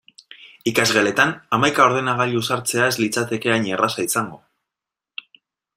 Ikasgeletan hamaika ordenagailu sartzea ez litzateke hain erraza izango.